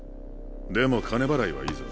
でも金払いはいいぞ。